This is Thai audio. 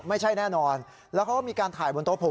ไม่ใช่แน่นอนแล้วเขาก็มีการถ่ายบนโต๊ะผม